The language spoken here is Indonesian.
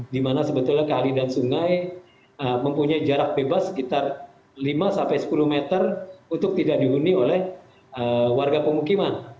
dimana sebetulnya kali dan sungai mempunyai jarak bebas sekitar lima sampai sepuluh meter untuk tidak dihuni oleh warga pemukiman